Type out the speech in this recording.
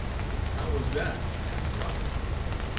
"How was that?" asked Robert.